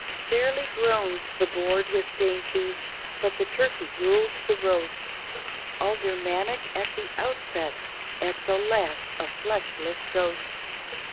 Fairly groans the board with dainties, but the turkey rules the roast, Aldermanic at the outset, at the last a fleshless ghost.